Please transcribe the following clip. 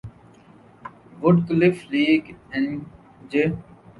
would cliff Lake اینجے